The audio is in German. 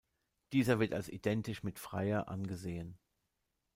Dieser wird als identisch mit Freyr angesehen.